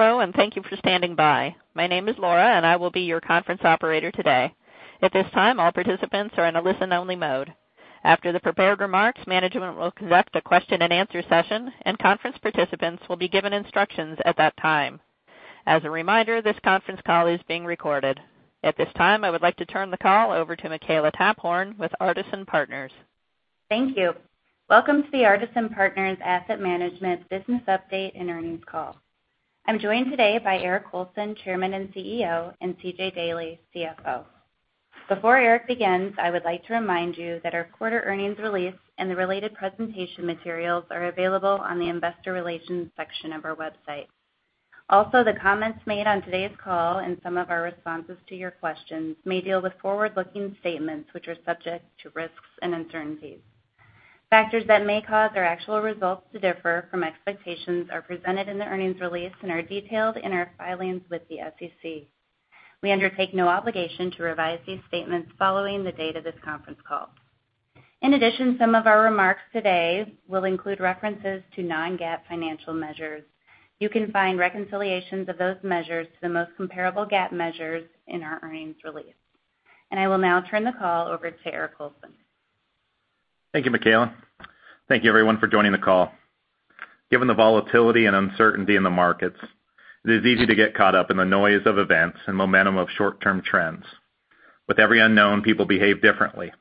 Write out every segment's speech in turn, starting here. Hello, thank you for standing by. My name is Laura. I will be your conference operator today. At this time, all participants are in a listen-only mode. After the prepared remarks, management will conduct a question and answer session. Conference participants will be given instructions at that time. As a reminder, this conference call is being recorded. At this time, I would like to turn the call over to Makela Taphorn with Artisan Partners. Thank you. Welcome to the Artisan Partners Asset Management business update and earnings call. I am joined today by Eric Colson, Chairman and CEO, and C.J. Daley, CFO. Before Eric begins, I would like to remind you that our quarter earnings release and the related presentation materials are available on the investor relations section of our website. The comments made on today's call and some of our responses to your questions may deal with forward-looking statements which are subject to risks and uncertainties. Factors that may cause our actual results to differ from expectations are presented in the earnings release and are detailed in our filings with the SEC. We undertake no obligation to revise these statements following the date of this conference call. Some of our remarks today will include references to non-GAAP financial measures. You can find reconciliations of those measures to the most comparable GAAP measures in our earnings release. I will now turn the call over to Eric Colson. Thank you, Makela. Thank you, everyone, for joining the call. Given the volatility and uncertainty in the markets, it is easy to get caught up in the noise of events and momentum of short-term trends. With every unknown, people behave differently.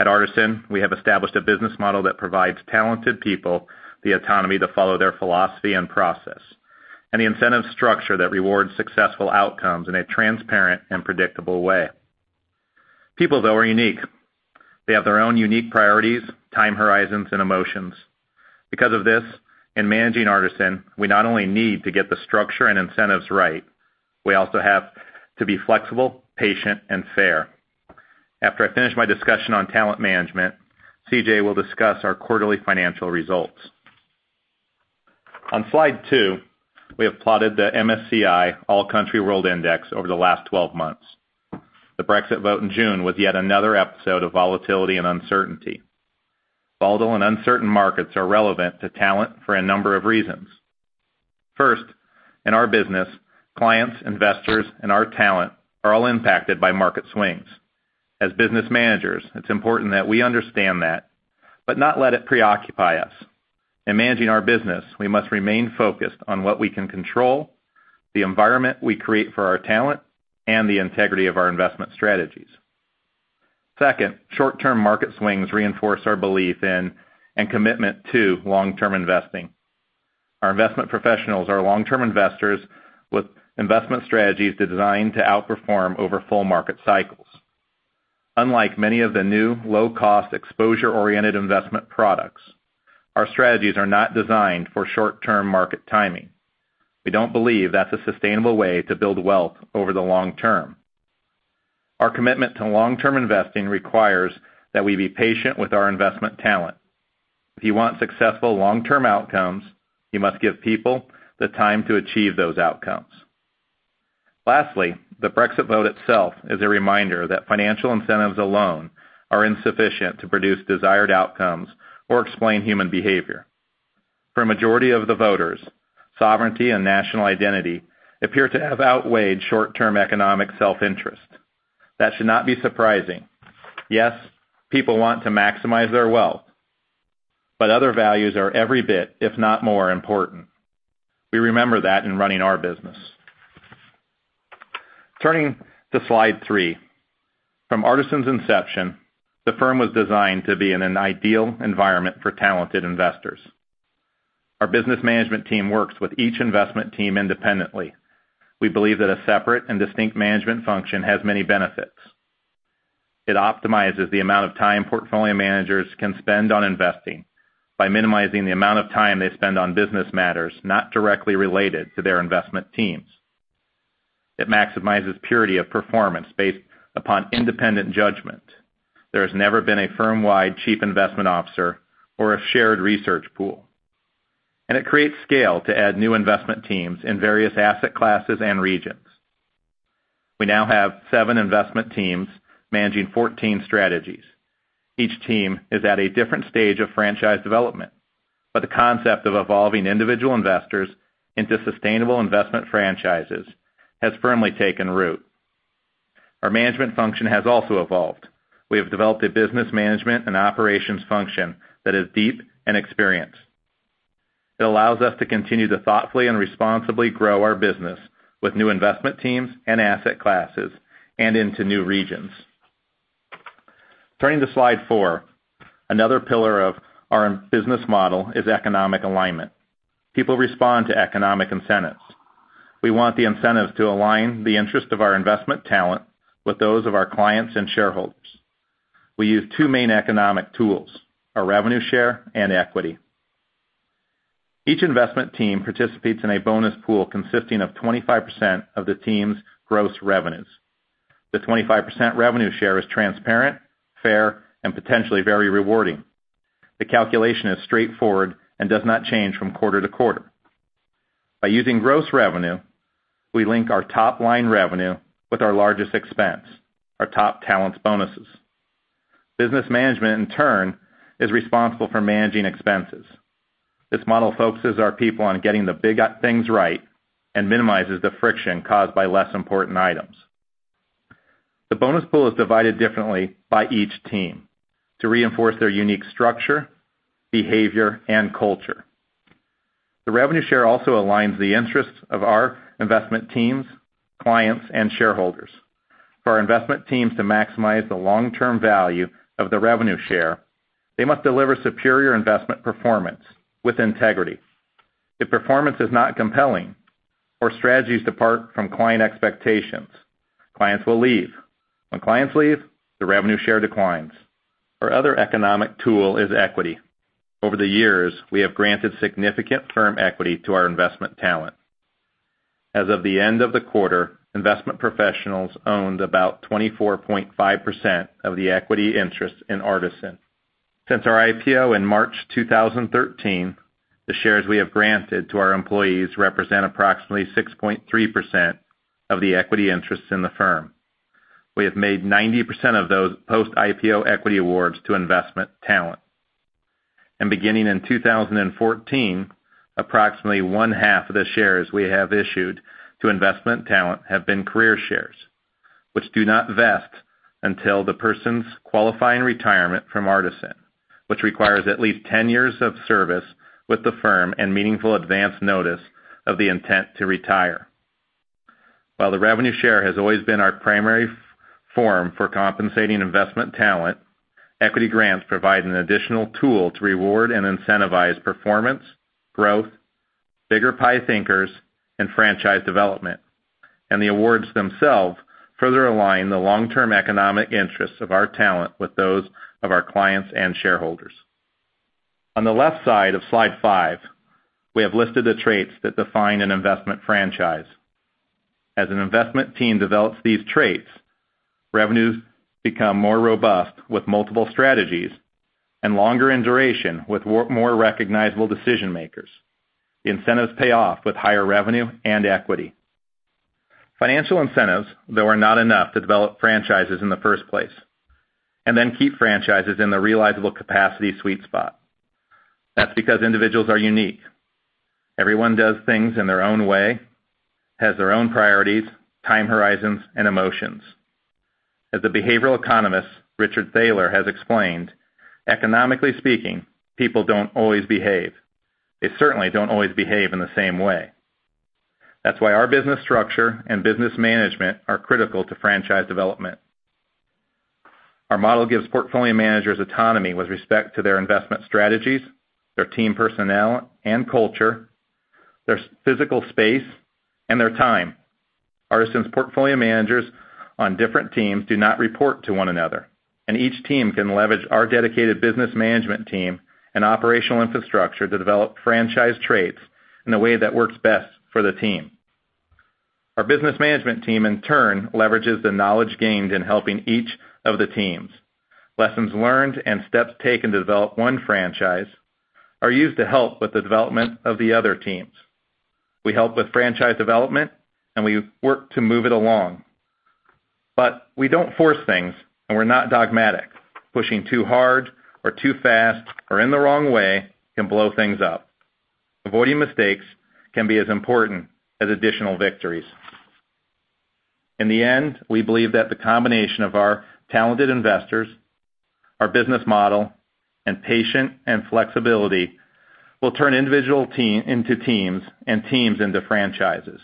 At Artisan, we have established a business model that provides talented people the autonomy to follow their philosophy and process. The incentive structure that rewards successful outcomes in a transparent and predictable way. People, though, are unique. They have their own unique priorities, time horizons, and emotions. In managing Artisan, we not only need to get the structure and incentives right, we also have to be flexible, patient, and fair. After I finish my discussion on talent management, C.J. will discuss our quarterly financial results. On slide two, we have plotted the MSCI All Country World Index over the last 12 months. The Brexit vote in June was yet another episode of volatility and uncertainty. Volatile and uncertain markets are relevant to talent for a number of reasons. First, in our business, clients, investors, and our talent are all impacted by market swings. As business managers, it's important that we understand that, but not let it preoccupy us. In managing our business, we must remain focused on what we can control, the environment we create for our talent, and the integrity of our investment strategies. Second, short-term market swings reinforce our belief in and commitment to long-term investing. Our investment professionals are long-term investors with investment strategies designed to outperform over full market cycles. Unlike many of the new low-cost exposure-oriented investment products, our strategies are not designed for short-term market timing. We don't believe that's a sustainable way to build wealth over the long term. Our commitment to long-term investing requires that we be patient with our investment talent. If you want successful long-term outcomes, you must give people the time to achieve those outcomes. Lastly, the Brexit vote itself is a reminder that financial incentives alone are insufficient to produce desired outcomes or explain human behavior. For a majority of the voters, sovereignty and national identity appear to have outweighed short-term economic self-interest. That should not be surprising. Yes, people want to maximize their wealth, but other values are every bit, if not more, important. We remember that in running our business. Turning to slide three. From Artisan's inception, the firm was designed to be in an ideal environment for talented investors. Our business management team works with each investment team independently. We believe that a separate and distinct management function has many benefits. It optimizes the amount of time portfolio managers can spend on investing by minimizing the amount of time they spend on business matters not directly related to their investment teams. It maximizes purity of performance based upon independent judgment. There has never been a firm-wide chief investment officer or a shared research pool. It creates scale to add new investment teams in various asset classes and regions. We now have seven investment teams managing 14 strategies. Each team is at a different stage of franchise development, but the concept of evolving individual investors into sustainable investment franchises has firmly taken root. Our management function has also evolved. We have developed a business management and operations function that is deep and experienced. It allows us to continue to thoughtfully and responsibly grow our business with new investment teams and asset classes, and into new regions. Turning to slide four. Another pillar of our business model is economic alignment. People respond to economic incentives. We want the incentives to align the interest of our investment talent with those of our clients and shareholders. We use two main economic tools, our revenue share and equity. Each investment team participates in a bonus pool consisting of 25% of the team's gross revenues. The 25% revenue share is transparent, fair, and potentially very rewarding. The calculation is straightforward and does not change from quarter to quarter. By using gross revenue, we link our top-line revenue with our largest expense, our top talent's bonuses. Business management, in turn, is responsible for managing expenses. This model focuses our people on getting the big things right and minimizes the friction caused by less important items. The bonus pool is divided differently by each team to reinforce their unique structure, behavior, and culture. The revenue share also aligns the interests of our investment teams, clients, and shareholders. For our investment teams to maximize the long-term value of the revenue share, they must deliver superior investment performance with integrity. If performance is not compelling, or strategies depart from client expectations, clients will leave. When clients leave, the revenue share declines. Our other economic tool is equity. Over the years, we have granted significant firm equity to our investment talent. As of the end of the quarter, investment professionals owned about 24.5% of the equity interest in Artisan. Since our IPO in March 2013, the shares we have granted to our employees represent approximately 6.3% of the equity interests in the firm. We have made 90% of those post-IPO equity awards to investment talent. Beginning in 2014, approximately one-half of the shares we have issued to investment talent have been career shares, which do not vest until the person's qualifying retirement from Artisan, which requires at least 10 years of service with the firm and meaningful advance notice of the intent to retire. While the revenue share has always been our primary form for compensating investment talent, equity grants provide an additional tool to reward and incentivize performance, growth, bigger pie thinkers, and franchise development. The awards themselves further align the long-term economic interests of our talent with those of our clients and shareholders. On the left side of slide five, we have listed the traits that define an investment franchise. As an investment team develops these traits, revenues become more robust with multiple strategies and longer in duration with more recognizable decision-makers. The incentives pay off with higher revenue and equity. Financial incentives, though, are not enough to develop franchises in the first place and then keep franchises in the realizable capacity sweet spot. That's because individuals are unique. Everyone does things in their own way, has their own priorities, time horizons, and emotions. As the behavioral economist Richard Thaler has explained, economically speaking, people don't always behave. They certainly don't always behave in the same way. That's why our business structure and business management are critical to franchise development. Our model gives portfolio managers autonomy with respect to their investment strategies, their team personnel and culture, their physical space, and their time. Artisan's portfolio managers on different teams do not report to one another, and each team can leverage our dedicated business management team and operational infrastructure to develop franchise traits in a way that works best for the team. Our business management team, in turn, leverages the knowledge gained in helping each of the teams. Lessons learned and steps taken to develop one franchise are used to help with the development of the other teams. We help with franchise development, and we work to move it along. We don't force things, and we're not dogmatic. Pushing too hard or too fast or in the wrong way can blow things up. Avoiding mistakes can be as important as additional victories. In the end, we believe that the combination of our talented investors, our business model, and patience and flexibility will turn individual team into teams and teams into franchises.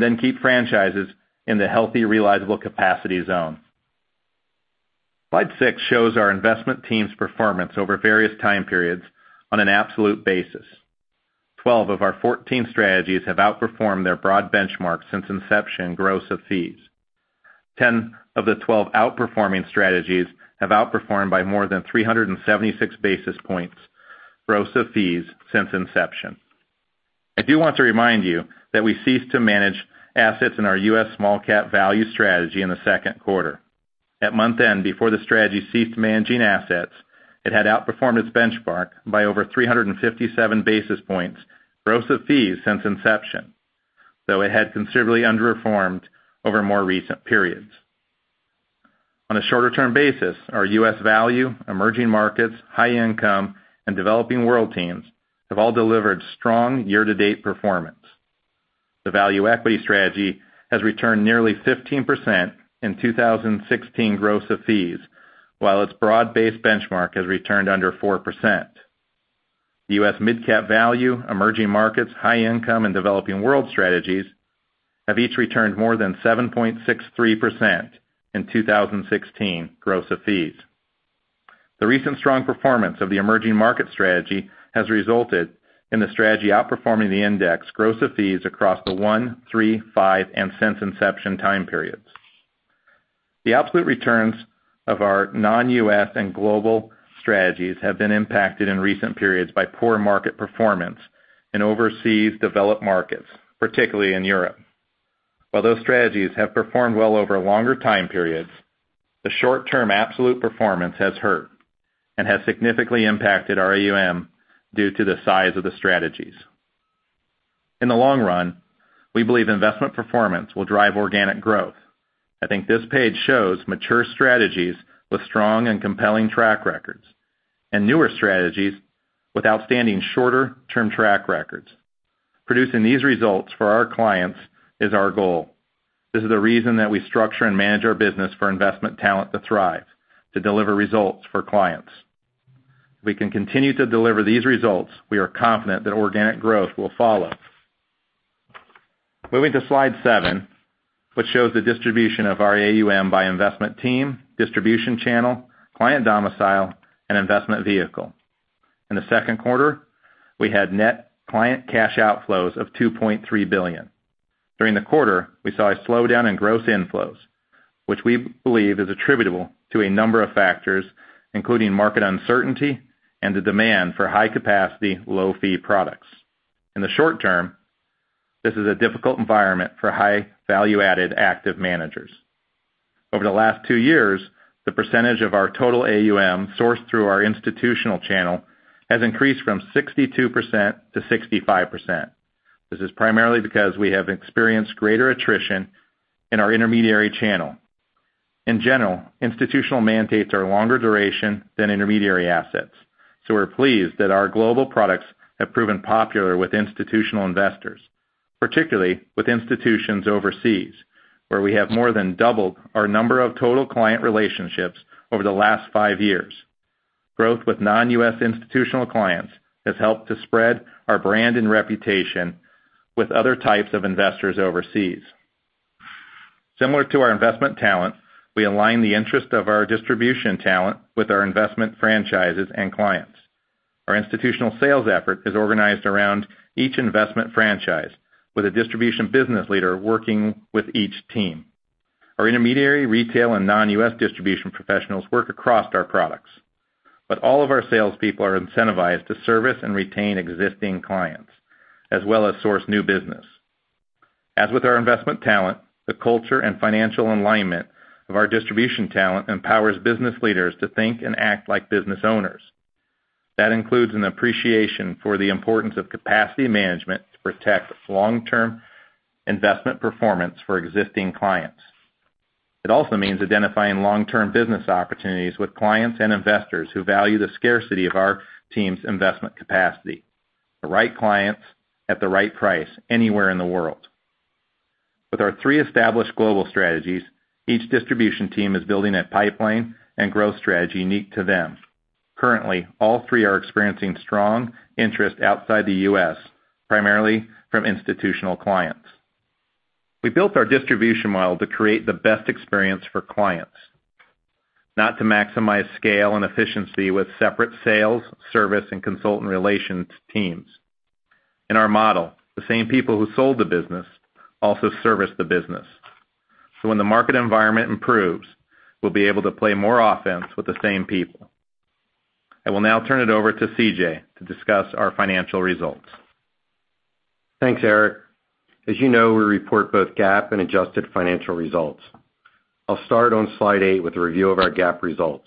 Then keep franchises in the healthy realizable capacity zone. Slide six shows our investment team's performance over various time periods on an absolute basis. 12 of our 14 strategies have outperformed their broad benchmark since inception gross of fees. Ten of the 12 outperforming strategies have outperformed by more than 376 basis points gross of fees since inception. I do want to remind you that we ceased to manage assets in our U.S. Small-Cap Value strategy in the second quarter. At month-end, before the strategy ceased managing assets, it had outperformed its benchmark by over 357 basis points gross of fees since inception. Though it had considerably underperformed over more recent periods. On a shorter term basis, our U.S. Value Equity, Emerging Markets, High Income, and Developing World teams have all delivered strong year-to-date performance. The Value Equity strategy has returned nearly 15% in 2016 gross of fees, while its broad-based benchmark has returned under 4%. U.S. Mid-Cap Value, Emerging Markets, High Income, and Developing World strategies have each returned more than 7.63% in 2016 gross of fees. The recent strong performance of the Emerging Markets strategy has resulted in the strategy outperforming the index gross of fees across the one, three, five, and since inception time periods. The absolute returns of our Non-U.S. and Global strategies have been impacted in recent periods by poor market performance in overseas developed markets, particularly in Europe. While those strategies have performed well over longer time periods, the short-term absolute performance has hurt and has significantly impacted our AUM due to the size of the strategies. In the long run, we believe investment performance will drive organic growth. I think this page shows mature strategies with strong and compelling track records, and newer strategies with outstanding shorter-term track records. Producing these results for our clients is our goal. This is the reason that we structure and manage our business for investment talent to thrive, to deliver results for clients. If we can continue to deliver these results, we are confident that organic growth will follow. Moving to Slide seven, which shows the distribution of our AUM by investment team, distribution channel, client domicile, and investment vehicle. In the second quarter, we had net client cash outflows of $2.3 billion. During the quarter, we saw a slowdown in gross inflows, which we believe is attributable to a number of factors, including market uncertainty and the demand for high-capacity, low-fee products. In the short term, this is a difficult environment for high value-added active managers. Over the last two years, the percentage of our total AUM sourced through our institutional channel has increased from 62% to 65%. This is primarily because we have experienced greater attrition in our intermediary channel. In general, institutional mandates are longer duration than intermediary assets. We're pleased that our Global products have proven popular with institutional investors, particularly with institutions overseas, where we have more than doubled our number of total client relationships over the last five years. Growth with non-U.S. institutional clients has helped to spread our brand and reputation with other types of investors overseas. Similar to our investment talent, we align the interest of our distribution talent with our investment franchises and clients. Our institutional sales effort is organized around each investment franchise with a distribution business leader working with each team. Our intermediary retail and non-U.S. distribution professionals work across our products. All of our salespeople are incentivized to service and retain existing clients, as well as source new business. As with our investment talent, the culture and financial alignment of our distribution talent empowers business leaders to think and act like business owners. That includes an appreciation for the importance of capacity management to protect long-term investment performance for existing clients. It also means identifying long-term business opportunities with clients and investors who value the scarcity of our team's investment capacity. The right clients at the right price anywhere in the world. With our three established global strategies, each distribution team is building a pipeline and growth strategy unique to them. Currently, all three are experiencing strong interest outside the U.S., primarily from institutional clients. We built our distribution model to create the best experience for clients, not to maximize scale and efficiency with separate sales, service, and consultant relations teams. In our model, the same people who sold the business also service the business. When the market environment improves, we'll be able to play more offense with the same people. I will now turn it over to C.J. to discuss our financial results. Thanks, Eric. As you know, we report both GAAP and adjusted financial results. I'll start on Slide 8 with a review of our GAAP results.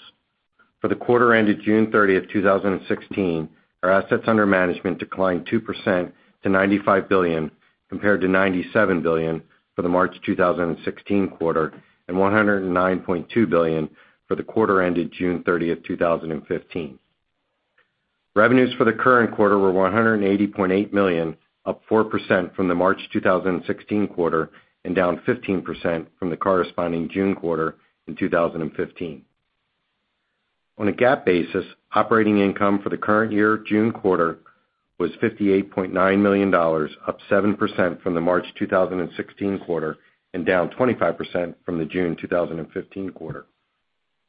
For the quarter ended June 30th, 2016, our assets under management declined 2% to $95 billion, compared to $97 billion for the March 2016 quarter and $109.2 billion for the quarter ended June 30th, 2015. Revenues for the current quarter were $180.8 million, up 4% from the March 2016 quarter, and down 15% from the corresponding June quarter in 2015. On a GAAP basis, operating income for the current year June quarter was $58.9 million, up 7% from the March 2016 quarter, and down 25% from the June 2015 quarter.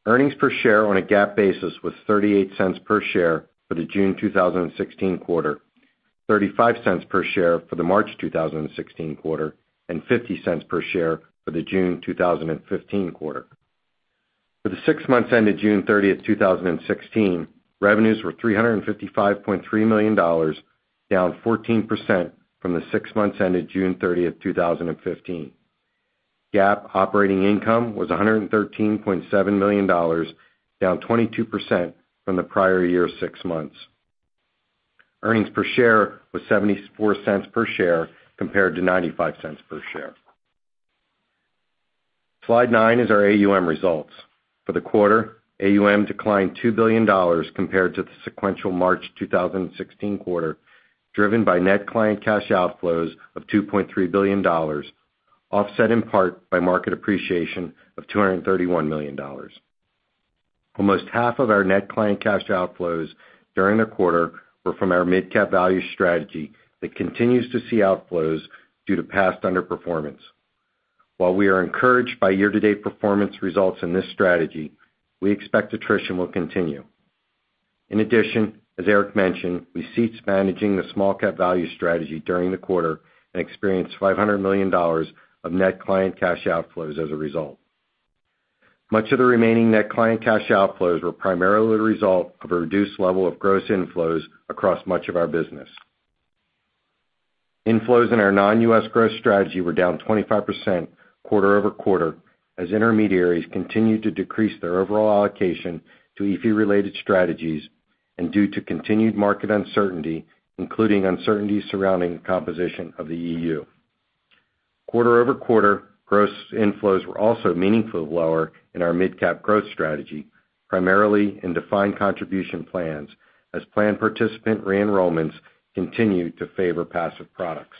Earnings per share on a GAAP basis was $0.38 per share for the June 2016 quarter, $0.35 per share for the March 2016 quarter, and $0.50 per share for the June 2015 quarter. For the six months ended June 30th, 2016, revenues were $355.3 million, down 14% from the six months ended June 30th, 2015. GAAP operating income was $113.7 million, down 22% from the prior year six months. Earnings per share was $0.74 per share, compared to $0.95 per share. Slide nine is our AUM results. For the quarter, AUM declined $2 billion compared to the sequential March 2016 quarter, driven by net client cash outflows of $2.3 billion, offset in part by market appreciation of $231 million. Almost half of our net client cash outflows during the quarter were from our Mid Cap Value strategy that continues to see outflows due to past underperformance. While we are encouraged by year-to-date performance results in this strategy, we expect attrition will continue. In addition, as Eric mentioned, we ceased managing the Small-Cap Value strategy during the quarter and experienced $500 million of net client cash outflows as a result. Much of the remaining net client cash outflows were primarily the result of a reduced level of gross inflows across much of our business. Inflows in our Non-U.S. Growth strategy were down 25% quarter-over-quarter, as intermediaries continued to decrease their overall allocation to EAFE-related strategies and due to continued market uncertainty, including uncertainty surrounding the composition of the EU. Quarter-over-quarter gross inflows were also meaningfully lower in our Mid-Cap Growth strategy, primarily in defined contribution plans as plan participant re-enrollments continue to favor passive products.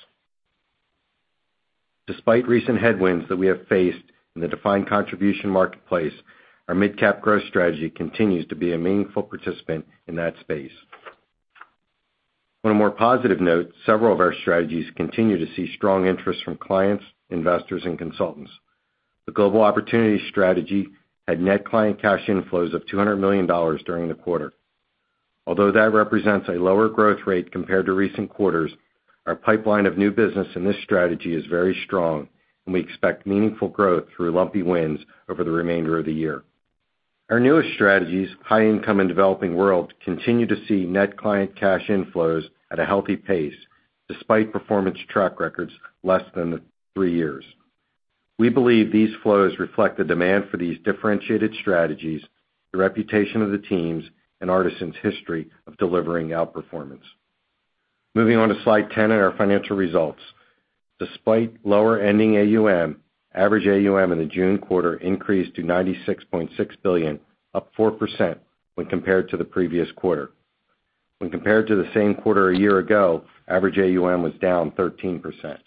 Despite recent headwinds that we have faced in the defined contribution marketplace, our Mid-Cap Growth strategy continues to be a meaningful participant in that space. On a more positive note, several of our strategies continue to see strong interest from clients, investors, and consultants. The Global Opportunities strategy had net client cash inflows of $200 million during the quarter. Although that represents a lower growth rate compared to recent quarters, our pipeline of new business in this strategy is very strong, and we expect meaningful growth through lumpy wins over the remainder of the year. Our newest strategies, High Income and Developing World, continue to see net client cash inflows at a healthy pace despite performance track records less than three years. We believe these flows reflect the demand for these differentiated strategies, the reputation of the teams, and Artisan's history of delivering outperformance. Moving on to slide 10 and our financial results. Despite lower ending AUM, average AUM in the June quarter increased to $96.6 billion, up 4% when compared to the previous quarter. When compared to the same quarter a year ago, average AUM was down 13%.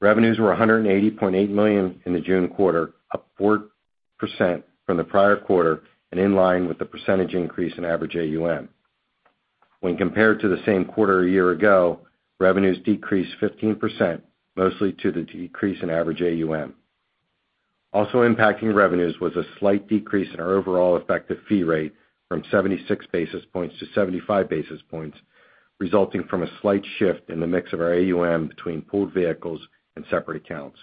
Revenues were $180.8 million in the June quarter, up 4% from the prior quarter and in line with the percentage increase in average AUM. When compared to the same quarter a year ago, revenues decreased 15%, mostly to the decrease in average AUM. Also impacting revenues was a slight decrease in our overall effective fee rate from 76 basis points to 75 basis points, resulting from a slight shift in the mix of our AUM between pooled vehicles and separate accounts.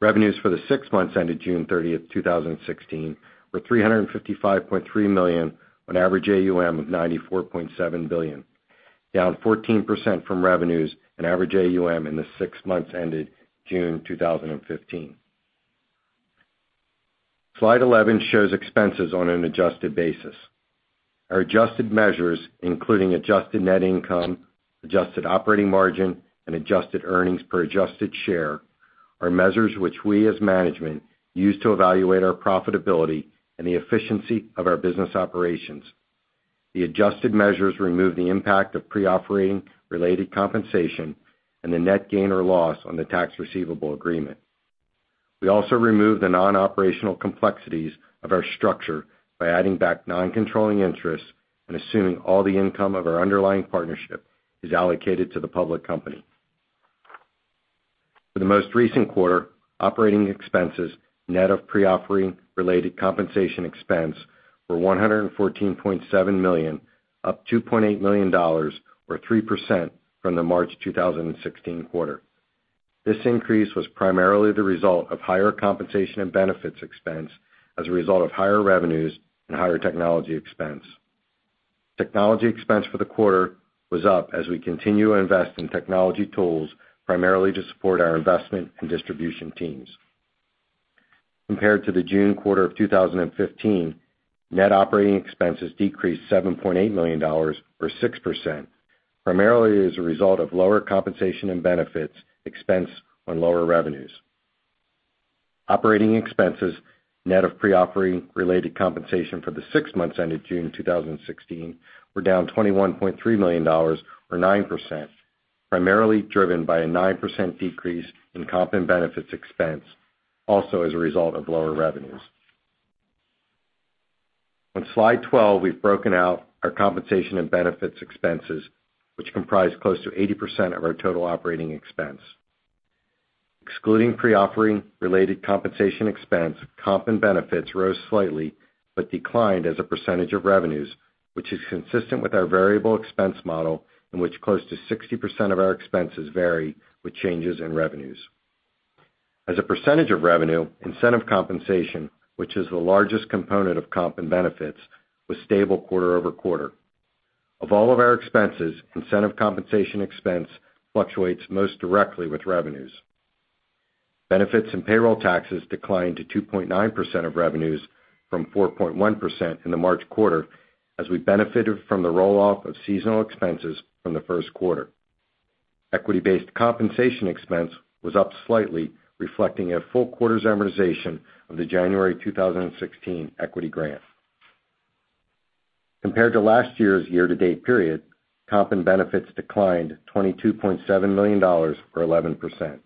Revenues for the six months ended June 30th, 2016, were $355.3 million on average AUM of $94.7 billion, down 14% from revenues and average AUM in the six months ended June 2015. Slide 11 shows expenses on an adjusted basis. Our adjusted measures, including adjusted net income, adjusted operating margin, and adjusted earnings per adjusted share, are measures which we, as management, use to evaluate our profitability and the efficiency of our business operations. The adjusted measures remove the impact of pre-offering related compensation and the net gain or loss on the Tax Receivable Agreement. We also remove the non-operational complexities of our structure by adding back non-controlling interests and assuming all the income of our underlying partnership is allocated to the public company. For the most recent quarter, operating expenses, net of pre-offering related compensation expense, were $114.7 million, up $2.8 million or 3% from the March 2016 quarter. This increase was primarily the result of higher compensation and benefits expense as a result of higher revenues and higher technology expense. Technology expense for the quarter was up as we continue to invest in technology tools, primarily to support our investment and distribution teams. Compared to the June quarter of 2015, net operating expenses decreased $7.8 million or 6%, primarily as a result of lower compensation and benefits expense on lower revenues. Operating expenses, net of pre-offering related compensation for the six months ended June 2016 were down $21.3 million or 9%, primarily driven by a 9% decrease in comp and benefits expense, also as a result of lower revenues. On slide 12, we've broken out our compensation and benefits expenses, which comprise close to 80% of our total operating expense. Excluding pre-offering related compensation expense, comp and benefits rose slightly but declined as a percentage of revenues, which is consistent with our variable expense model in which close to 60% of our expenses vary with changes in revenues. As a percentage of revenue, incentive compensation, which is the largest component of comp and benefits, was stable quarter-over-quarter. Of all of our expenses, incentive compensation expense fluctuates most directly with revenues. Benefits and payroll taxes declined to 2.9% of revenues from 4.1% in the March quarter, as we benefited from the roll-off of seasonal expenses from the first quarter. Equity-based compensation expense was up slightly, reflecting a full quarter's amortization of the January 2016 equity grant. Compared to last year's year-to-date period, comp and benefits declined $22.7 million or 11%.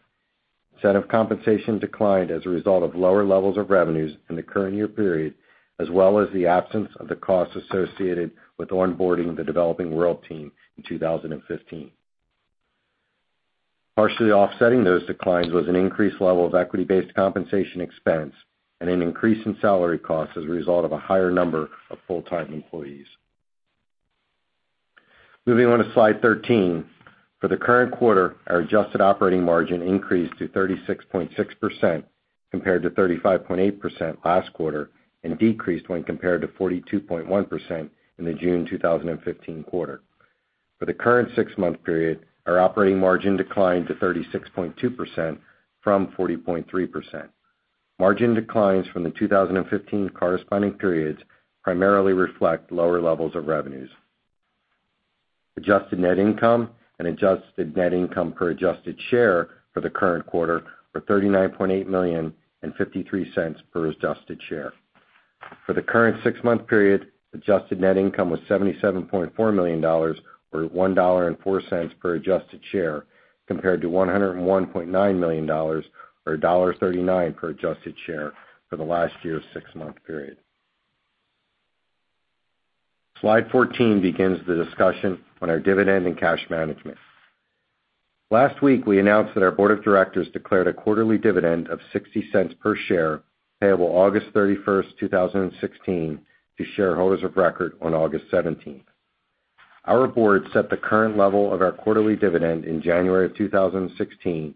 Incentive compensation declined as a result of lower levels of revenues in the current year period, as well as the absence of the costs associated with onboarding the Developing World team in 2015. Partially offsetting those declines was an increased level of equity-based compensation expense and an increase in salary costs as a result of a higher number of full-time employees. Moving on to slide 13. For the current quarter, our adjusted operating margin increased to 36.6% compared to 35.8% last quarter and decreased when compared to 42.1% in the June 2015 quarter. For the current six-month period, our operating margin declined to 36.2% from 40.3%. Margin declines from the 2015 corresponding periods primarily reflect lower levels of revenues. Adjusted net income and adjusted net income per adjusted share for the current quarter were $39.8 million and $0.53 per adjusted share. For the current six-month period, adjusted net income was $77.4 million, or $1.04 per adjusted share, compared to $101.9 million, or $1.39 per adjusted share for the last year's six-month period. Slide 14 begins the discussion on our dividend and cash management. Last week, we announced that our board of directors declared a quarterly dividend of $0.60 per share, payable August 31st, 2016, to shareholders of record on August 17th. Our board set the current level of our quarterly dividend in January of 2016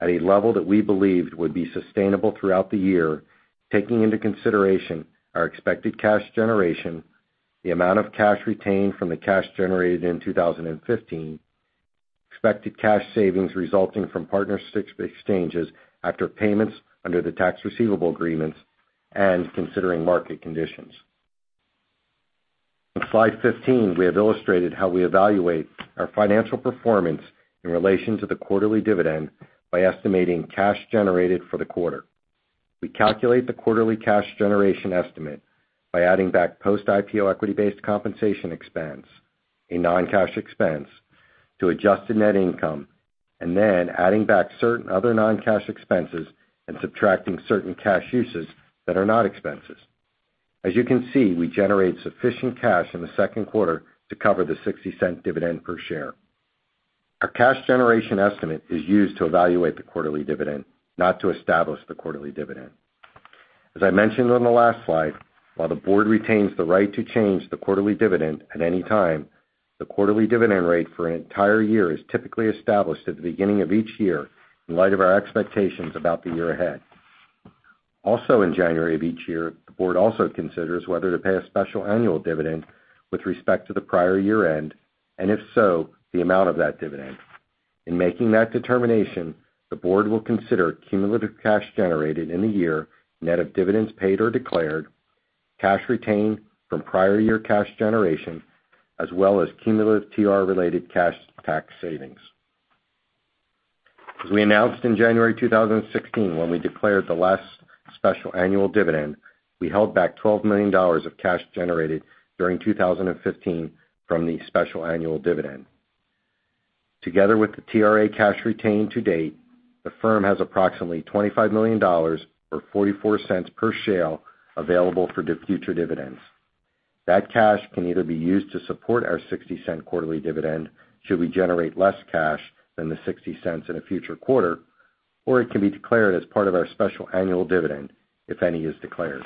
at a level that we believed would be sustainable throughout the year, taking into consideration our expected cash generation, the amount of cash retained from the cash generated in 2015, expected cash savings resulting from partner exchanges after payments under the Tax Receivable Agreements, and considering market conditions. On Slide 15, we have illustrated how we evaluate our financial performance in relation to the quarterly dividend by estimating cash generated for the quarter. We calculate the quarterly cash generation estimate by adding back post-IPO equity-based compensation expense, a non-cash expense, to adjusted net income, and then adding back certain other non-cash expenses and subtracting certain cash uses that are not expenses. As you can see, we generate sufficient cash in the second quarter to cover the $0.60 dividend per share. Our cash generation estimate is used to evaluate the quarterly dividend, not to establish the quarterly dividend. As I mentioned on the last slide, while the board retains the right to change the quarterly dividend at any time, the quarterly dividend rate for an entire year is typically established at the beginning of each year in light of our expectations about the year ahead. In January of each year, the board also considers whether to pay a special annual dividend with respect to the prior year-end, and if so, the amount of that dividend. In making that determination, the board will consider cumulative cash generated in the year, net of dividends paid or declared, cash retained from prior year cash generation, as well as cumulative TR-related cash tax savings. As we announced in January 2016, when we declared the last special annual dividend, we held back $12 million of cash generated during 2015 from the special annual dividend. Together with the TRA cash retained to date, the firm has approximately $25 million or $0.44 per share available for future dividends. That cash can either be used to support our $0.60 quarterly dividend should we generate less cash than the $0.60 in a future quarter, or it can be declared as part of our special annual dividend, if any is declared.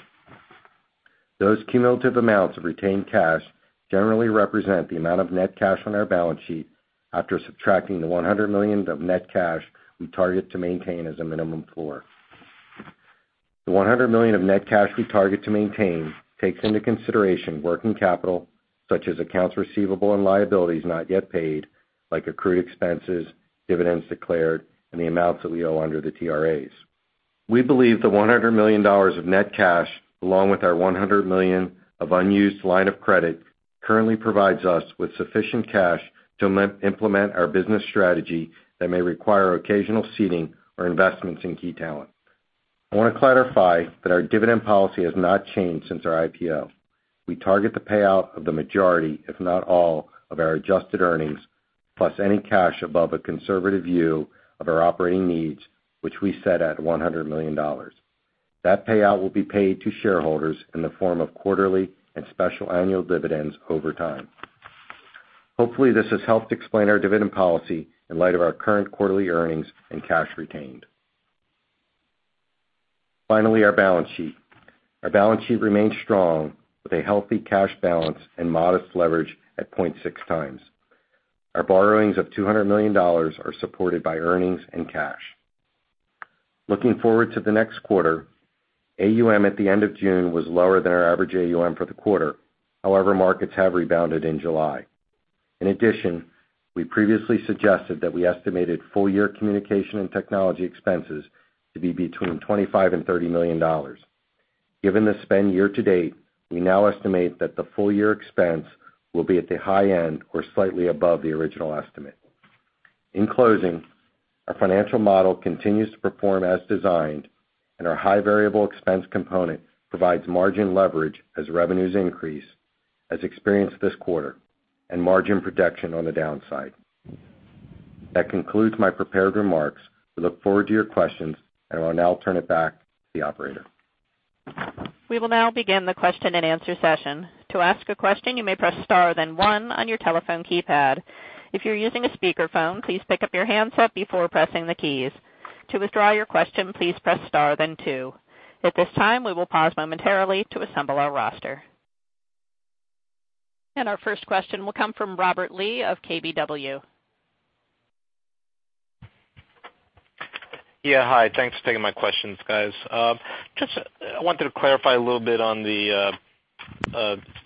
Those cumulative amounts of retained cash generally represent the amount of net cash on our balance sheet after subtracting the $100 million of net cash we target to maintain as a minimum floor. The $100 million of net cash we target to maintain takes into consideration working capital, such as accounts receivable and liabilities not yet paid, like accrued expenses, dividends declared, and the amounts that we owe under the TRAs. We believe the $100 million of net cash, along with our $100 million of unused line of credit, currently provides us with sufficient cash to implement our business strategy that may require occasional seeding or investments in key talent. I want to clarify that our dividend policy has not changed since our IPO. We target the payout of the majority, if not all, of our adjusted earnings, plus any cash above a conservative view of our operating needs, which we set at $100 million. That payout will be paid to shareholders in the form of quarterly and special annual dividends over time. Hopefully, this has helped explain our dividend policy in light of our current quarterly earnings and cash retained. Finally, our balance sheet. Our balance sheet remains strong with a healthy cash balance and modest leverage at 0.6 times. Our borrowings of $200 million are supported by earnings and cash. Looking forward to the next quarter, AUM at the end of June was lower than our average AUM for the quarter. However, markets have rebounded in July. In addition, we previously suggested that we estimated full-year communication and technology expenses to be between $25 million and $30 million. Given the spend year to date, we now estimate that the full-year expense will be at the high end or slightly above the original estimate. In closing, our financial model continues to perform as designed, and our high variable expense component provides margin leverage as revenues increase, as experienced this quarter, and margin protection on the downside. That concludes my prepared remarks. We look forward to your questions, and I will now turn it back to the operator. We will now begin the question and answer session. To ask a question, you may press star then one on your telephone keypad. If you're using a speakerphone, please pick up your handset before pressing the keys. To withdraw your question, please press star then two. At this time, we will pause momentarily to assemble our roster. Our first question will come from Robert Lee of KBW. Yeah. Hi. Thanks for taking my questions, guys. I wanted to clarify a little bit on the,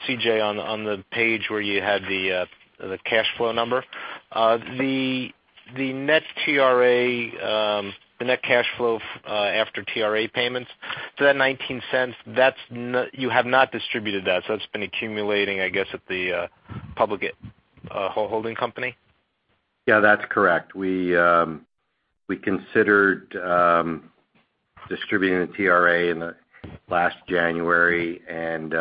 C.J., on the page where you had the cash flow number. The net cash flow after TRA payments, so that $0.19, you have not distributed that, so that's been accumulating, I guess, at the public holding company? Yeah, that's correct. We considered distributing the TRA in last January, and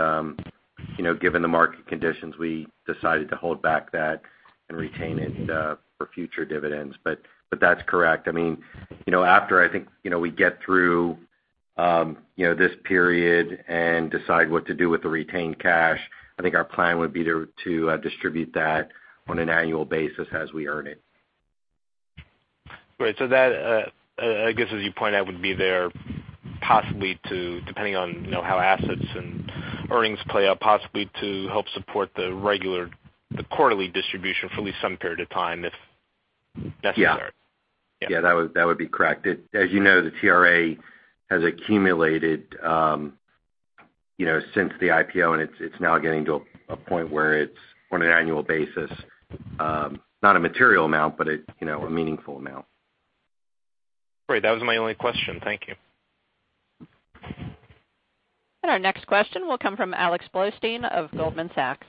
given the market conditions, we decided to hold back that and retain it for future dividends. That's correct. After, I think, we get through this period and decide what to do with the retained cash, I think our plan would be to distribute that on an annual basis as we earn it. Great. That, I guess as you point out, would be there possibly to, depending on how assets and earnings play out, possibly to help support the regular quarterly distribution for at least some period of time, if necessary. Yeah. That would be correct. As you know, the TRA has accumulated since the IPO, and it's now getting to a point where it's, on an annual basis, not a material amount, but a meaningful amount. Great. That was my only question. Thank you. Our next question will come from Alex Blostein of Goldman Sachs.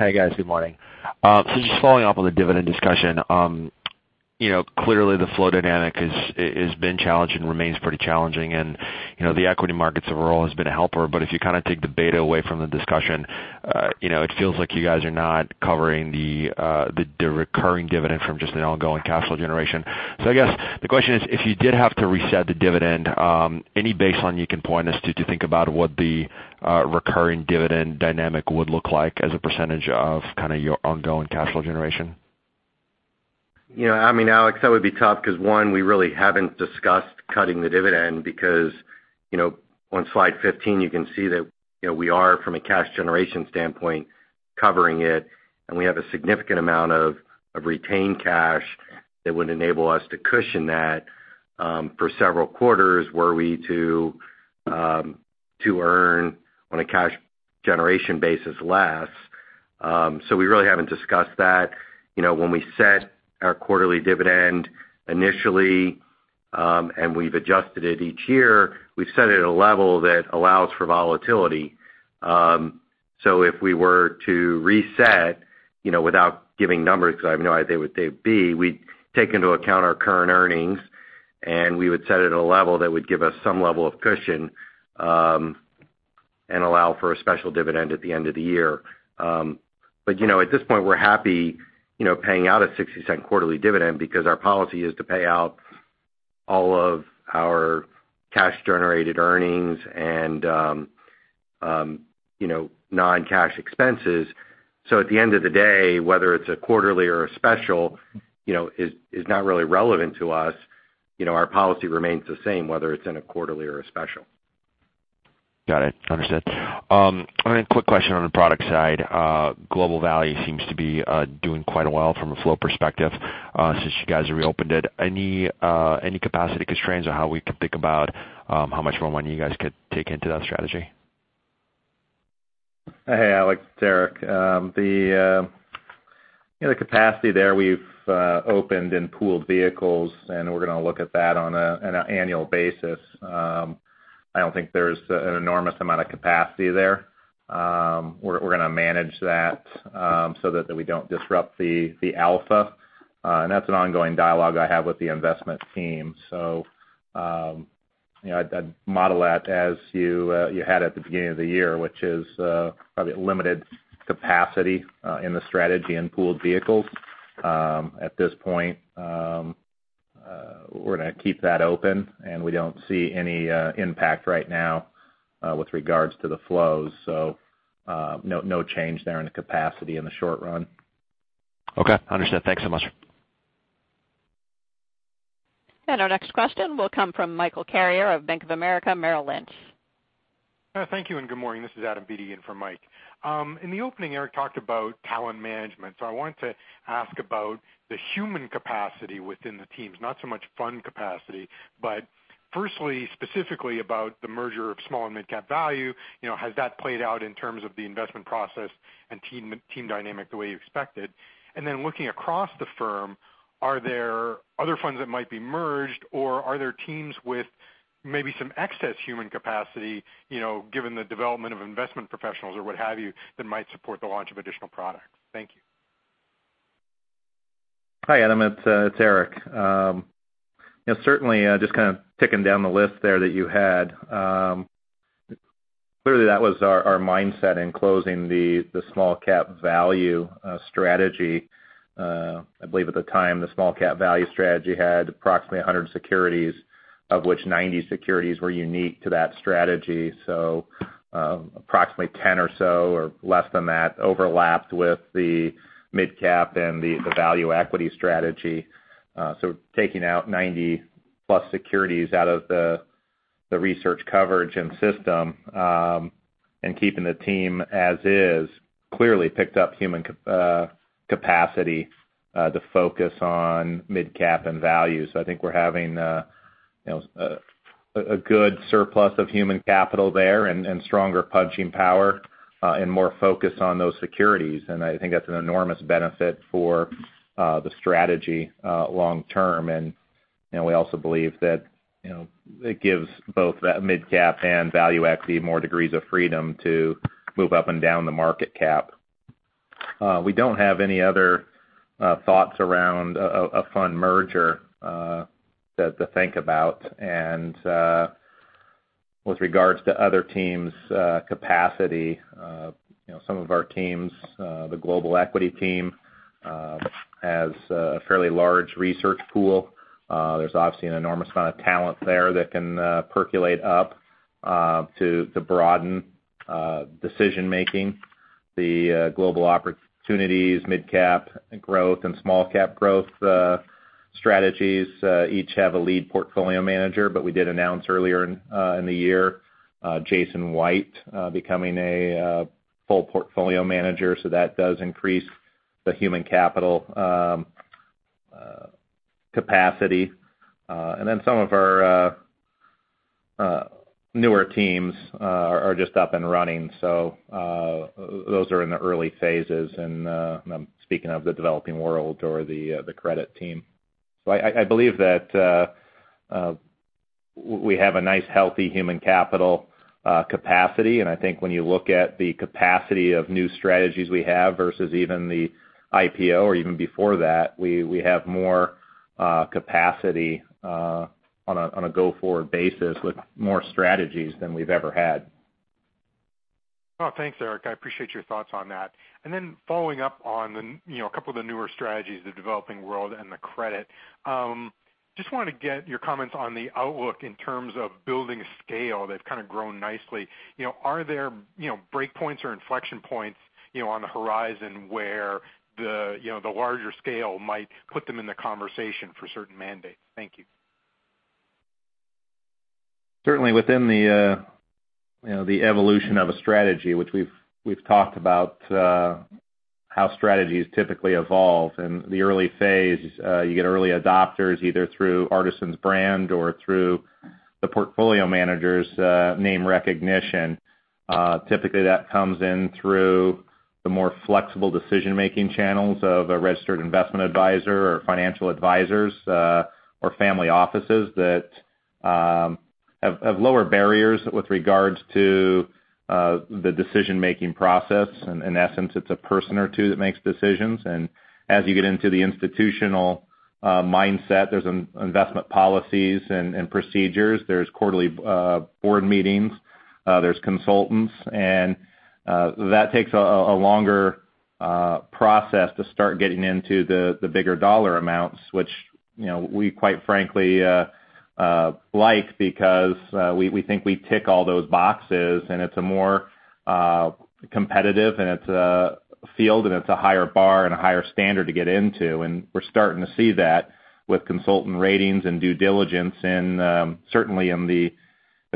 Hi, guys. Good morning. Just following up on the dividend discussion. Clearly the flow dynamic has been challenged and remains pretty challenging and the equity markets overall has been a helper. If you take the beta away from the discussion, it feels like you guys are not covering the recurring dividend from just the ongoing cash flow generation. I guess, the question is, if you did have to reset the dividend, any baseline you can point us to think about what the recurring dividend dynamic would look like as a percentage of your ongoing cash flow generation? Alex, that would be tough because one, we really haven't discussed cutting the dividend because on slide 15, you can see that we are, from a cash generation standpoint, covering it, and we have a significant amount of retained cash that would enable us to cushion that for several quarters were we to earn on a cash generation basis less. We really haven't discussed that. When we set our quarterly dividend initially, and we've adjusted it each year, we've set it at a level that allows for volatility. If we were to reset, without giving numbers, because I have no idea what they would be, we'd take into account our current earnings, and we would set it at a level that would give us some level of cushion, and allow for a special dividend at the end of the year. At this point, we're happy paying out a $0.60 quarterly dividend because our policy is to pay out all of our cash-generated earnings and non-cash expenses. At the end of the day, whether it's a quarterly or a special, is not really relevant to us. Our policy remains the same, whether it's in a quarterly or a special. Got it. Understood. Then a quick question on the product side. Global Value seems to be doing quite well from a flow perspective since you guys reopened it. Any capacity constraints on how we could think about how much more money you guys could take into that strategy? Alex. It's Eric. The capacity there we've opened in pooled vehicles, we're going to look at that on an annual basis. I don't think there's an enormous amount of capacity there. We're going to manage that so that we don't disrupt the alpha. That's an ongoing dialogue I have with the investment team. I'd model that as you had at the beginning of the year, which is probably limited capacity in the strategy in pooled vehicles. At this point, we're going to keep that open, and we don't see any impact right now with regards to the flows. No change there in the capacity in the short run. Understood. Thanks so much. Our next question will come from Michael Carrier of Bank of America Merrill Lynch. Thank you, and good morning. This is Adam Beatty in for Mike. In the opening, Eric talked about talent management. I wanted to ask about the human capacity within the teams, not so much fund capacity. Firstly, specifically about the merger of Small-Cap Value and Mid-Cap Value, has that played out in terms of the investment process and team dynamic the way you expected? Then looking across the firm, are there other funds that might be merged, or are there teams with maybe some excess human capacity, given the development of investment professionals, or what have you, that might support the launch of additional products? Thank you. Hi, Adam. It's Eric. Certainly, just ticking down the list there that you had. Clearly that was our mindset in closing the Small-Cap Value strategy. I believe at the time, the Small-Cap Value strategy had approximately 100 securities, of which 90 securities were unique to that strategy. Approximately 10 or so, or less than that, overlapped with the Mid Cap Value and the Value Equity strategy. Taking out 90-plus securities out of the research coverage and system, and keeping the team as is, clearly picked up human capacity to focus on Mid Cap Value and Value Equity. I think we're having a good surplus of human capital there and stronger punching power, and more focus on those securities. I think that's an enormous benefit for the strategy, long term. We also believe that it gives both Mid Cap Value and Value Equity more degrees of freedom to move up and down the market cap. We don't have any other thoughts around a fund merger to think about. With regards to other teams' capacity, some of our teams, the Global Equity team, has a fairly large research pool. There's obviously an enormous amount of talent there that can percolate up to broaden decision-making. The Global Opportunities, U.S. Mid-Cap Growth, and Small-Cap Growth strategies, each have a lead portfolio manager. We did announce earlier in the year, Jason White becoming a full portfolio manager, so that does increase the human capital capacity. Then some of our newer teams are just up and running. Those are in the early phases. I'm speaking of the Developing World or the credit team. I believe that we have a nice, healthy human capital capacity. I think when you look at the capacity of new strategies we have versus even the IPO or even before that, we have more capacity on a go-forward basis with more strategies than we've ever had. Oh, thanks, Eric. I appreciate your thoughts on that. Then following up on a couple of the newer strategies, the Developing World and the credit. Just wanted to get your comments on the outlook in terms of building a scale. They've kind of grown nicely. Are there breakpoints or inflection points on the horizon where the larger scale might put them in the conversation for certain mandates? Thank you. Certainly within the evolution of a strategy, which we've talked about how strategies typically evolve. In the early phase, you get early adopters, either through Artisan's brand or through the portfolio manager's name recognition. Typically, that comes in through the more flexible decision-making channels of a registered investment advisor or financial advisors, or family offices that have lower barriers with regards to the decision-making process. In essence, it's a person or two that makes decisions. As you get into the institutional mindset, there's investment policies and procedures. There's quarterly board meetings. There's consultants. That takes a longer process to start getting into the bigger dollar amounts, which we quite frankly like because we think we tick all those boxes, and it's more competitive, and it's a field, and it's a higher bar and a higher standard to get into. We're starting to see that with consultant ratings and due diligence, and certainly in the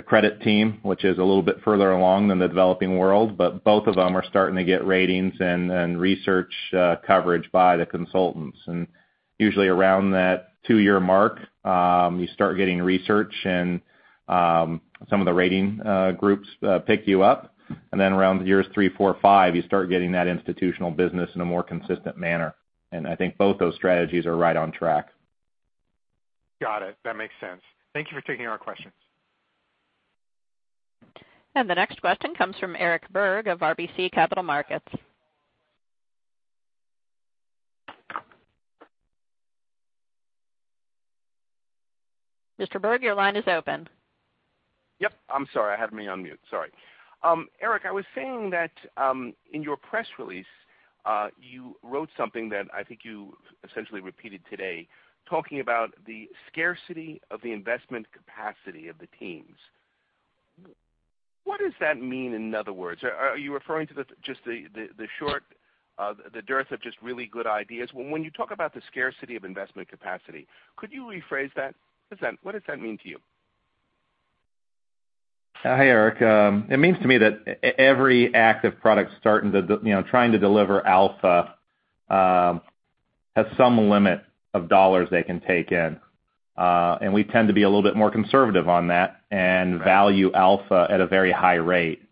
credit team, which is a little bit further along than the Developing World. Both of them are starting to get ratings and research coverage by the consultants. Usually around that two-year mark, you start getting research, and some of the rating groups pick you up. Then around years three, four, five, you start getting that institutional business in a more consistent manner. I think both those strategies are right on track. Got it. That makes sense. Thank you for taking our questions. The next question comes from Eric Berg of RBC Capital Markets. Mr. Berg, your line is open. Yep. I'm sorry. I had me on mute. Sorry. Eric, I was seeing that in your press release, you wrote something that I think you essentially repeated today, talking about the scarcity of the investment capacity of the teams. What does that mean, in other words? Are you referring to just the dearth of just really good ideas? When you talk about the scarcity of investment capacity, could you rephrase that? What does that mean to you? Hi, Eric. It means to me that every active product trying to deliver alpha has some limit of dollars they can take in. We tend to be a little bit more conservative on that and value alpha at a very high rate.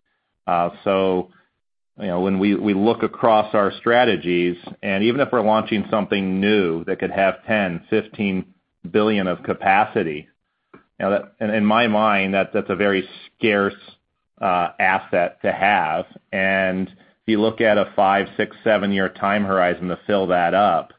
When we look across our strategies, and even if we're launching something new that could have $10 billion, $15 billion of capacity, in my mind, that's a very scarce asset to have. If you look at a five-, six-, seven-year time horizon to fill that up,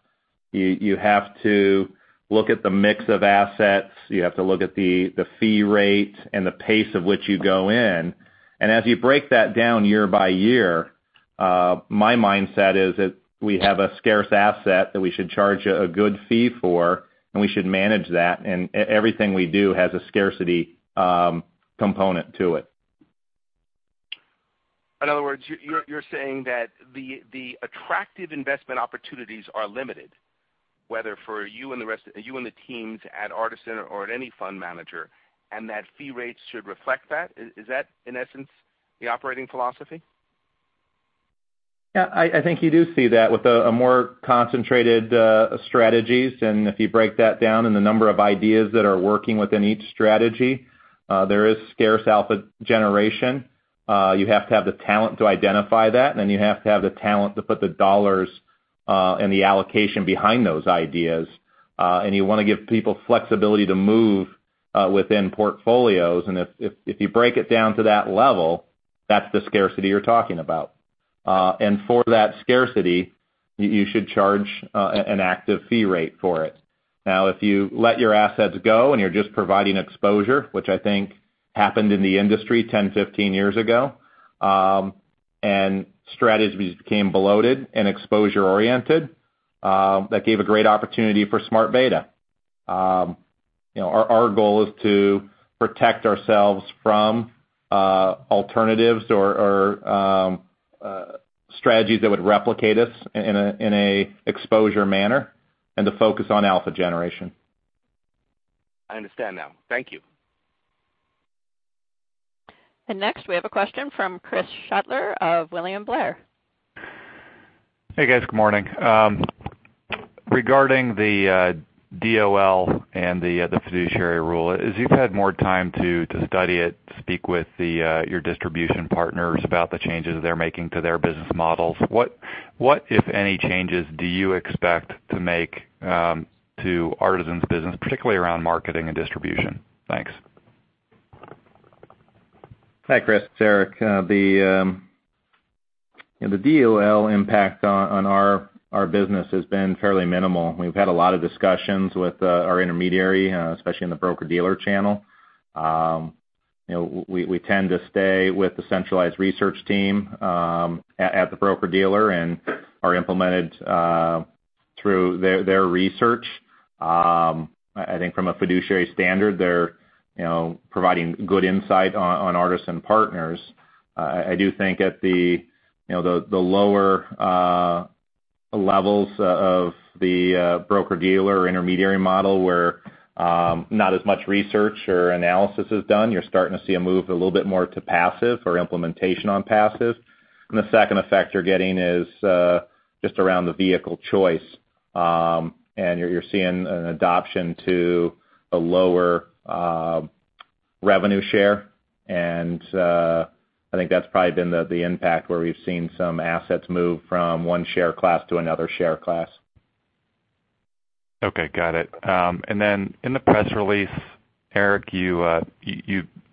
you have to look at the mix of assets. You have to look at the fee rate and the pace at which you go in. As you break that down year by year, my mindset is that we have a scarce asset that we should charge a good fee for, and we should manage that. Everything we do has a scarcity component to it. In other words, you're saying that the attractive investment opportunities are limited, whether for you and the teams at Artisan or at any fund manager, and that fee rates should reflect that. Is that, in essence, the operating philosophy? Yeah, I think you do see that with more concentrated strategies. If you break that down in the number of ideas that are working within each strategy, there is scarce alpha generation. You have to have the talent to identify that, and then you have to have the talent to put the dollars, and the allocation behind those ideas. You want to give people flexibility to move within portfolios. If you break it down to that level, that's the scarcity you're talking about. For that scarcity, you should charge an active fee rate for it. Now, if you let your assets go and you're just providing exposure, which I think happened in the industry 10, 15 years ago, and strategies became bloated and exposure oriented, that gave a great opportunity for smart beta. Our goal is to protect ourselves from alternatives or strategies that would replicate us in an exposure manner, and to focus on alpha generation. I understand now. Thank you. Next, we have a question from Chris Shutler of William Blair. Hey, guys. Good morning. Regarding the DOL and the fiduciary rule, as you've had more time to study it, speak with your distribution partners about the changes they're making to their business models. What, if any, changes do you expect to make to Artisan's business, particularly around marketing and distribution? Thanks. Hi, Chris. It's Eric. The DOL impact on our business has been fairly minimal. We've had a lot of discussions with our intermediary, especially in the broker-dealer channel. We tend to stay with the centralized research team at the broker-dealer and are implemented through their research. I think from a fiduciary standard, they're providing good insight on Artisan Partners. I do think at the lower levels of the broker-dealer intermediary model, where not as much research or analysis is done, you're starting to see a move a little bit more to passive or implementation on passive. The second effect you're getting is just around the vehicle choice. You're seeing an adoption to a lower revenue share. I think that's probably been the impact where we've seen some assets move from one share class to another share class. Okay, got it. Then in the press release, Eric, you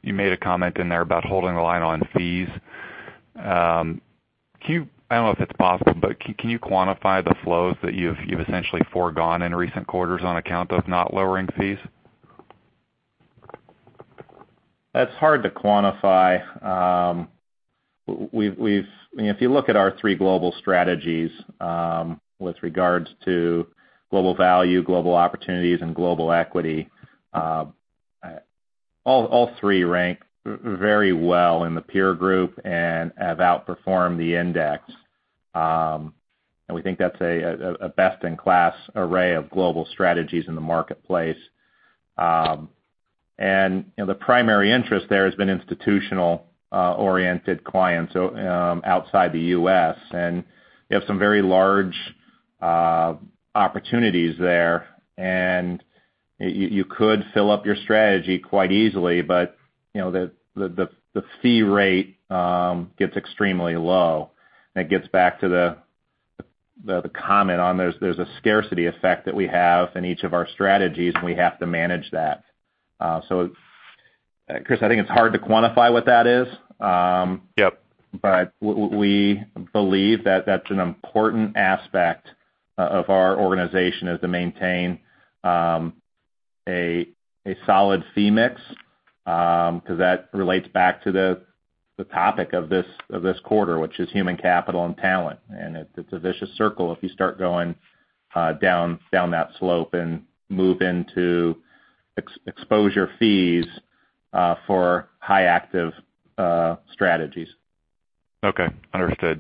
made a comment in there about holding the line on fees. I don't know if it's possible, but can you quantify the flows that you've essentially forgone in recent quarters on account of not lowering fees? That's hard to quantify. If you look at our three global strategies, with regards to Global Value, Global Opportunities, and Global Equity, all three rank very well in the peer group and have outperformed the index. We think that's a best-in-class array of global strategies in the marketplace. The primary interest there has been institutional-oriented clients outside the U.S., you have some very large opportunities there, and you could fill up your strategy quite easily. The fee rate gets extremely low. It gets back to the comment on there's a scarcity effect that we have in each of our strategies, and we have to manage that. Chris, I think it's hard to quantify what that is. Yep. We believe that that's an important aspect of our organization is to maintain a solid fee mix. That relates back to the topic of this quarter, which is human capital and talent. It's a vicious circle if you start going down that slope and move into exposure fees for high active strategies. Okay, understood.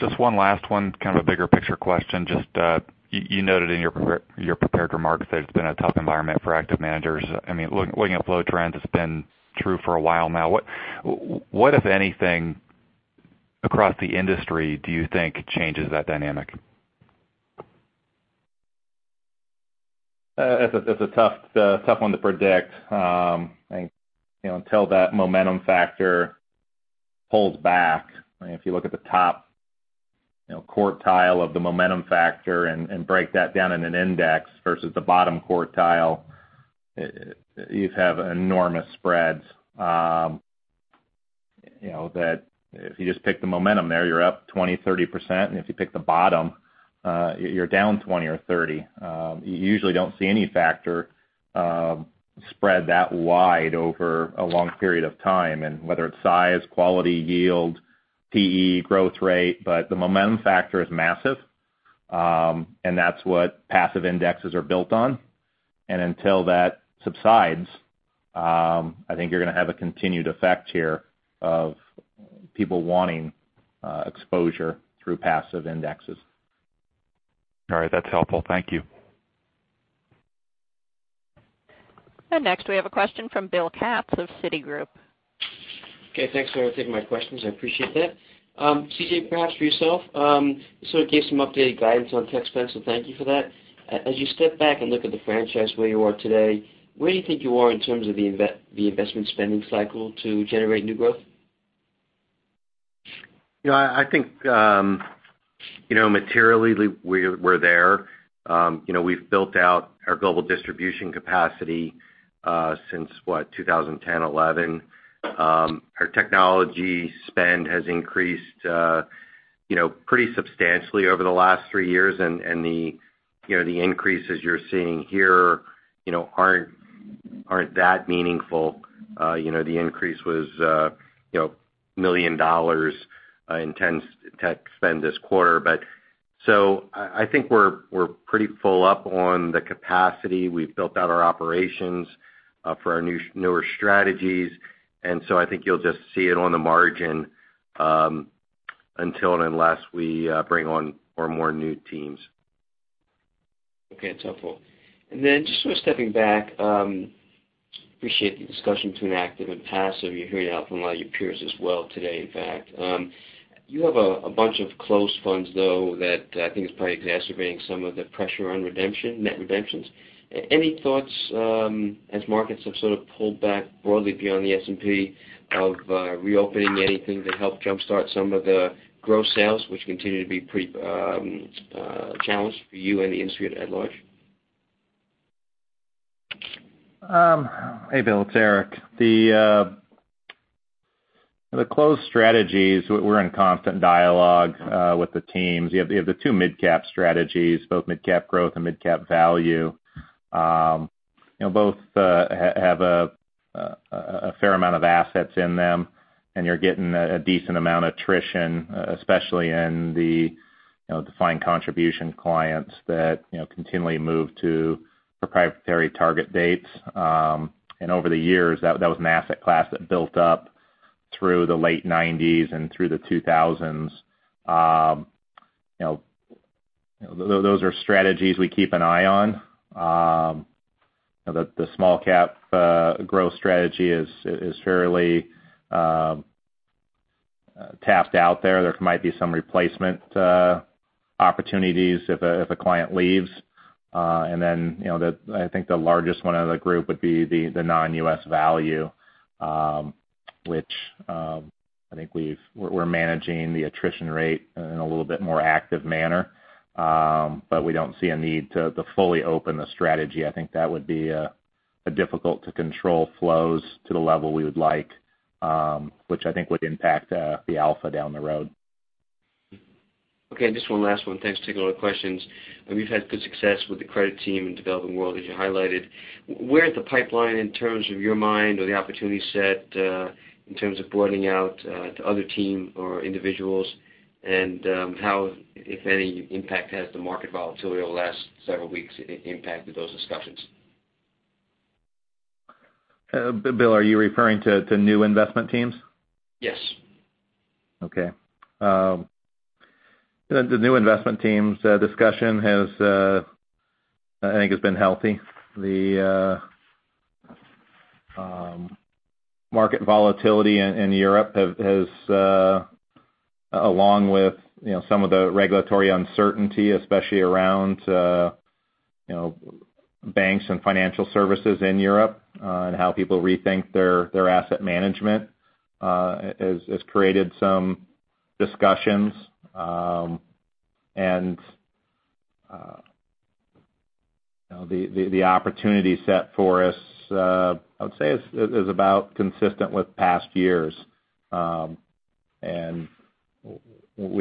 Just one last one, kind of a bigger picture question. You noted in your prepared remarks that it's been a tough environment for active managers. Looking at flow trends, it's been true for a while now. What, if anything, across the industry, do you think changes that dynamic? That's a tough one to predict. Until that momentum factor pulls back, if you look at the top quartile of the momentum factor and break that down in an index versus the bottom quartile, you'd have enormous spreads. That if you just pick the momentum there, you're up 20%, 30%, and if you pick the bottom, you're down 20 or 30. You usually don't see any factor spread that wide over a long period of time. Whether it's size, quality, yield, PE, growth rate. The momentum factor is massive. That's what passive indexes are built on. Until that subsides, I think you're going to have a continued effect here of people wanting exposure through passive indexes. All right. That's helpful. Thank you. Next, we have a question from William Katz of Citigroup. Okay, thanks for taking my questions. I appreciate that. CJ, perhaps for yourself. You gave some updated guidance on tech spend, thank you for that. As you step back and look at the franchise where you are today, where do you think you are in terms of the investment spending cycle to generate new growth? I think materially, we're there. We've built out our global distribution capacity since, what, 2010, 2011. Our technology spend has increased pretty substantially over the last three years, and the increases you're seeing here aren't that meaningful. The increase was $1 million in tech spend this quarter. I think we're pretty full up on the capacity. We've built out our operations for our newer strategies. I think you'll just see it on the margin, until and unless we bring on more new teams. Okay. That's helpful. Just sort of stepping back, appreciate the discussion between active and passive. You're hearing it out from a lot of your peers as well today, in fact. You have a bunch of closed funds, though, that I think is probably exacerbating some of the pressure on net redemptions. Any thoughts as markets have sort of pulled back broadly beyond the S&P of reopening anything to help jumpstart some of the growth sales, which continue to be pretty challenged for you and the industry at large? Hey, Bill. It's Eric. The closed strategies, we're in constant dialogue with the teams. You have the two Mid Cap Growth strategies, both Mid Cap Growth and Mid Cap Value. Both have a fair amount of assets in them, and you're getting a decent amount of attrition, especially in the defined contribution clients that continually move to proprietary target dates. Over the years, that was an asset class that built up through the late 1990s and through the 2000s. Those are strategies we keep an eye on. The Small-Cap Growth strategy is fairly tapped out there. There might be some replacement opportunities if a client leaves. I think the largest one out of the group would be the Non-U.S. Value, which I think we're managing the attrition rate in a little bit more active manner. We don't see a need to fully open the strategy. I think that would be difficult to control flows to the level we would like, which I think would impact the alpha down the road. Okay. Just one last one. Thanks. Taking all the questions. You've had good success with the credit team in Developing World, as you highlighted. Where is the pipeline in terms of your mind or the opportunity set in terms of broadening out to other team or individuals? How, if any, impact has the market volatility over the last several weeks impacted those discussions? Bill, are you referring to new investment teams? Yes. Okay. The new investment teams discussion, I think has been healthy. The market volatility in Europe has, along with some of the regulatory uncertainty, especially around banks and financial services in Europe, and how people rethink their asset management, has created some discussions. The opportunity set for us, I would say, is about consistent with past years. We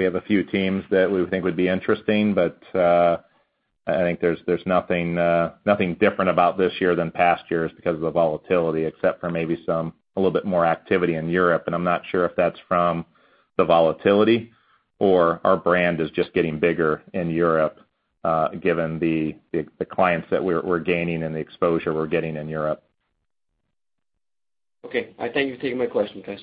have a few teams that we would think would be interesting, but I think there's nothing different about this year than past years because of the volatility, except for maybe a little bit more activity in Europe. I'm not sure if that's from the volatility or our brand is just getting bigger in Europe, given the clients that we're gaining and the exposure we're getting in Europe. Okay. I thank you for taking my question, guys.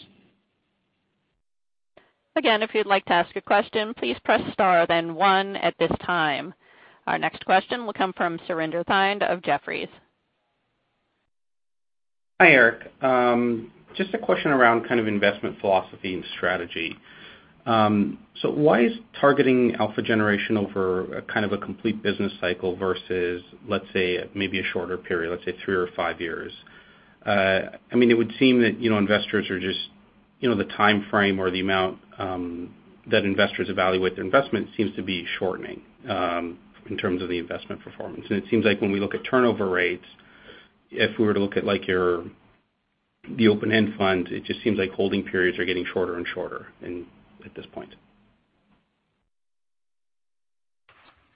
Again, if you'd like to ask a question, please press * then 1 at this time. Our next question will come from Surinder Thind of Jefferies. Hi, Eric. Just a question around kind of investment philosophy and strategy. Why is targeting alpha generation over a kind of a complete business cycle versus, let's say, maybe a shorter period, let's say three or five years? It would seem that investors, the timeframe or the amount that investors evaluate their investment seems to be shortening in terms of the investment performance. It seems like when we look at turnover rates, if we were to look at the open-end funds, it just seems like holding periods are getting shorter and shorter at this point.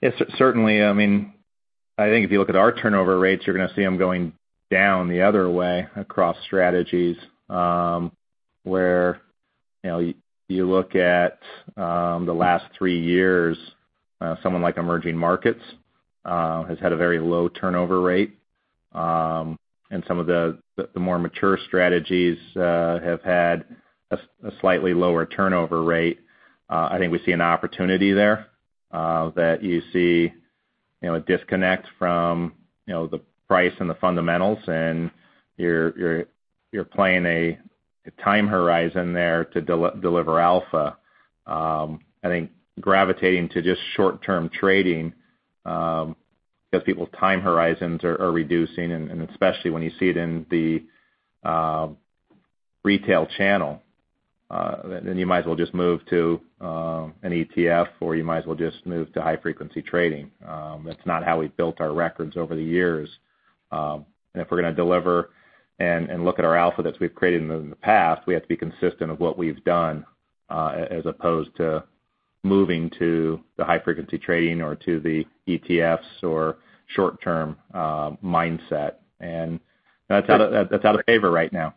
Yes. Certainly, I think if you look at our turnover rates, you're going to see them going down the other way across strategies, where you look at the last three years, someone like Emerging Markets has had a very low turnover rate. Some of the more mature strategies have had a slightly lower turnover rate. I think we see an opportunity there that you see a disconnect from the price and the fundamentals, and you're playing a time horizon there to deliver alpha. I think gravitating to just short-term trading, because people's time horizons are reducing, and especially when you see it in the retail channel, then you might as well just move to an ETF or you might as well just move to high-frequency trading. That's not how we've built our records over the years. If we're going to deliver and look at our alpha that we've created in the past, we have to be consistent of what we've done, as opposed to moving to the high-frequency trading or to the ETFs or short-term mindset. That's out of favor right now.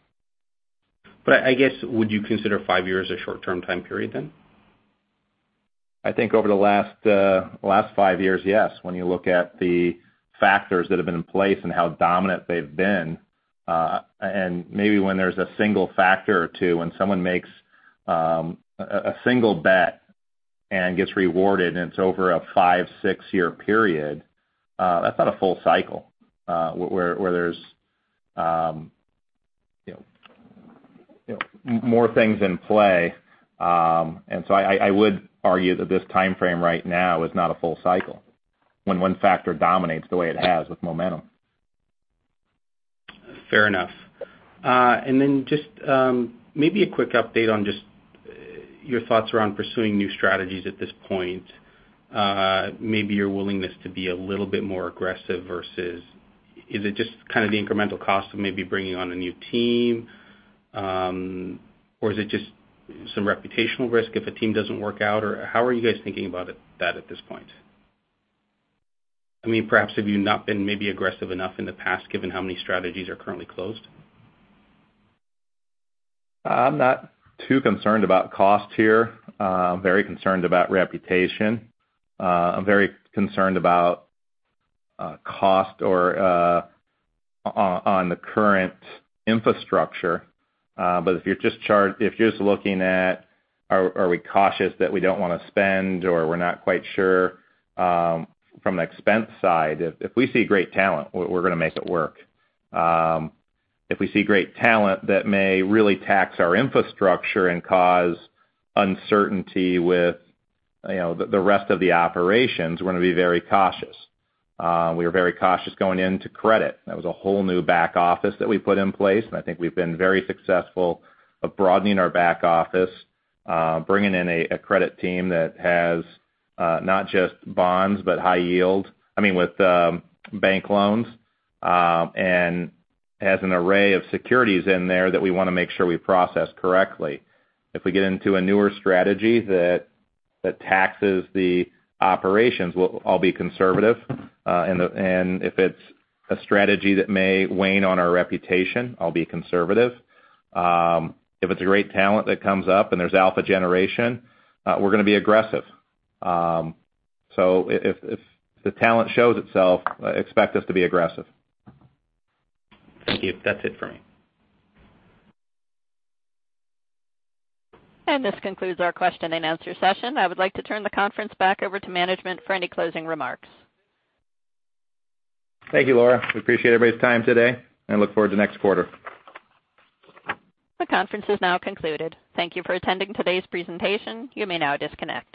I guess, would you consider five years a short-term time period then? I think over the last five years, yes. When you look at the factors that have been in place and how dominant they've been. Maybe when there's a single factor or two, when someone makes a single bet and gets rewarded, and it's over a five, six-year period, that's not a full cycle, where there's more things in play. I would argue that this timeframe right now is not a full cycle, when one factor dominates the way it has with momentum. Fair enough. Just maybe a quick update on just your thoughts around pursuing new strategies at this point. Maybe your willingness to be a little bit more aggressive versus, is it just kind of the incremental cost of maybe bringing on a new team? Is it just some reputational risk if a team doesn't work out? How are you guys thinking about that at this point? Perhaps have you not been maybe aggressive enough in the past, given how many strategies are currently closed? I'm not too concerned about cost here. I'm very concerned about reputation. I'm very concerned about cost on the current infrastructure. If you're just looking at, are we cautious that we don't want to spend or we're not quite sure from an expense side, if we see great talent, we're going to make it work. If we see great talent that may really tax our infrastructure and cause uncertainty with the rest of the operations, we're going to be very cautious. We were very cautious going into credit. That was a whole new back office that we put in place, and I think we've been very successful of broadening our back office, bringing in a credit team that has not just bonds, but high yield, I mean, with bank loans, and has an array of securities in there that we want to make sure we process correctly. If we get into a newer strategy that taxes the operations, I'll be conservative. If it's a strategy that may wane on our reputation, I'll be conservative. If it's a great talent that comes up and there's alpha generation, we're going to be aggressive. If the talent shows itself, expect us to be aggressive. Thank you. That's it for me. This concludes our question and answer session. I would like to turn the conference back over to management for any closing remarks. Thank you, Laura. We appreciate everybody's time today, and look forward to next quarter. The conference is now concluded. Thank you for attending today's presentation. You may now disconnect.